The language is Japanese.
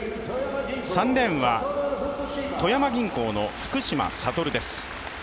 ３レーンは富山銀行の福島聖です。